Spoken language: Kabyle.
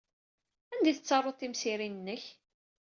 Anda ay tettaruḍ timsirin-nnek?